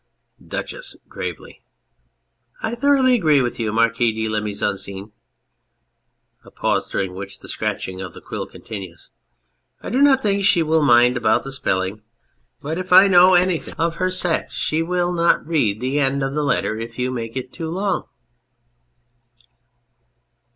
DUCHESS (gravely). I thoroughly agree with you, Marquis de la Mise en Scene. (A pause during which the scratching of the quill continues.) I do not think she will mind about the spelling ; but if 1 know any 213 On Anything thing of her sex she will not read the end of the letter if you make it too long.